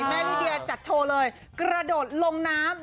ลิเดียจัดโชว์เลยกระโดดลงน้ำ